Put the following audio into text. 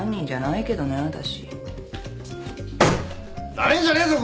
なめんじゃねえぞ！